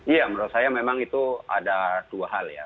iya menurut saya memang itu ada dua hal ya